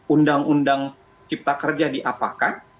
undang undang cipta kerja diapakan